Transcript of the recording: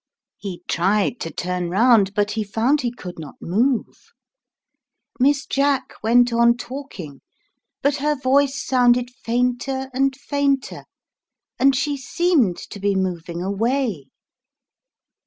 He tried to turn round, but he found he could not move. Miss Jack went on talking, but her voice sounded fainter and fainter, and she seemed to be moving away.